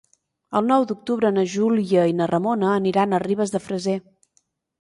El nou d'octubre na Júlia i na Ramona aniran a Ribes de Freser.